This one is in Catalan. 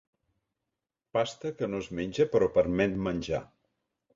Pasta que no es menja però permet menjar.